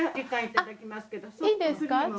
いいですか？